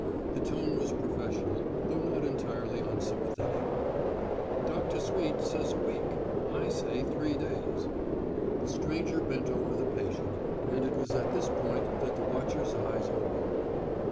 The tone was professional, though not entirely unsympathetic. "Dr. Sweet says a week; I say three days." The stranger bent over the patient, and it was at this point that the watcher's eyes opened.